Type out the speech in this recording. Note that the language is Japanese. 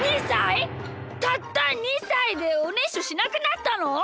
たった２さいでおねしょしなくなったの！？